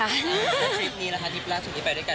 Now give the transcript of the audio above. แล้วทริปนี้นะคะทริปล่าสุดที่ไปด้วยกัน